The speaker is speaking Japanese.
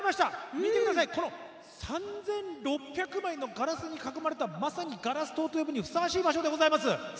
見てください３６００枚のガラスに囲まれたまさにガラス棟と呼ぶのにふさわしい場所です。